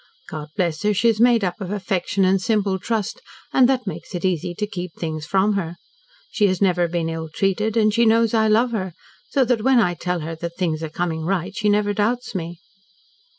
God bless her, she is made up of affection and simple trust, and that makes it easy to keep things from her. She has never been ill treated, and she knows I love her, so when I tell her that things are coming right, she never doubts me.